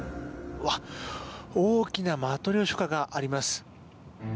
大きなマトリョーシカがあります。